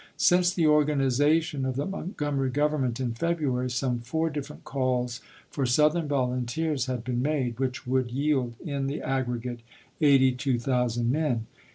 Since the organization of the Montgomery Gov ernment in February, some four different calls for Southern volunteers had been made, which would yield in the aggregate 82,000 men.